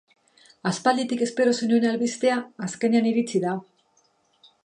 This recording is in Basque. Aspalditik espero zenuen albistea azkenean iritsi da.